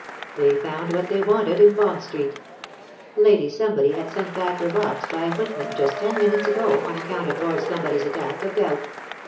They found what they wanted in Bond Street. Lady Somebody had sent back her box by a foot man, just ten minutes ago, on account of Lord Somebody's attack of gout.